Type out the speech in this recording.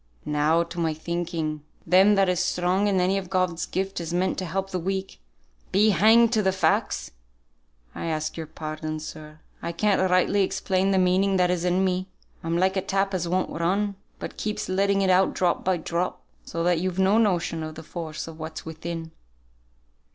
Now to my thinking, them that is strong in any of God's gifts is meant to help the weak, be hanged to the facts! I ask your pardon, sir; I can't rightly explain the meaning that is in me. I'm like a tap as won't run, but keeps letting it out drop by drop, so that you've no notion of the force of what's within."